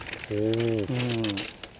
うん。